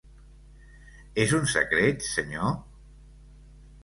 És un secret, senyor?